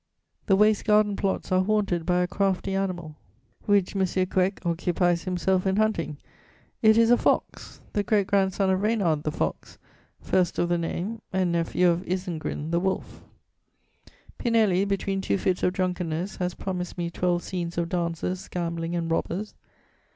The waste garden plots are haunted by a crafty animal which M. Quecq occupies himself in hunting: it is a fox, the great grandson of Reynard the Fox, first of the name, and nephew of Ysengrin the Wolf. Pinelli, between two fits of drunkenness, has promised me twelve scenes of dances, gambling and robbers.